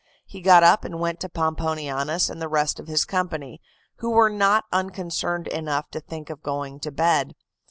He got up and went to Pomponianus and the rest of his company, who were not unconcerned enough to think of going to bed.